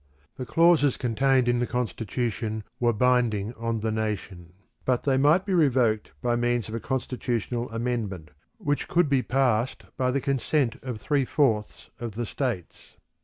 The clauses contained in the Constitution were binding on the nation; but they might be revoked by means of a constitutional amendment, which could be passed by the consent of three fourths of the states.